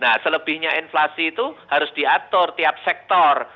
nah selebihnya inflasi itu harus diatur tiap sektor